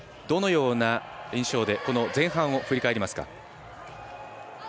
どのような印象でこの前半を振り返りますか。